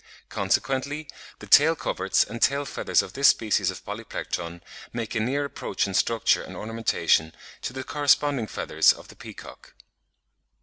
Consequently the tail coverts and tail feathers of this species of Polyplectron make a near approach in structure and ornamentation to the corresponding feathers of the peacock.